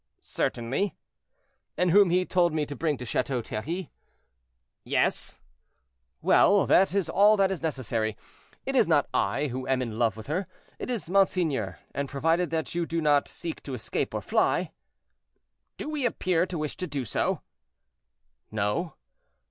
"Certainly." "And whom he told me to bring to Chateau Thierry." "Yes." "Well! that is all that is necessary. It is not I who am in love with her, it is monseigneur; and provided that you do not seek to escape or fly—" "Do we appear to wish to do so?" "No."